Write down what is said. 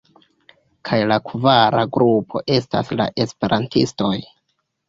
Kaj la kvara grupo estas la esperantistoj.